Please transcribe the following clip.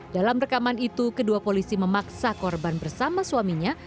dalam rekaman itu kedua polisi memaksa korban bersama suaminya